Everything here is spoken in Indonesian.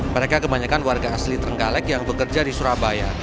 mereka kebanyakan warga asli trenggalek yang bekerja di surabaya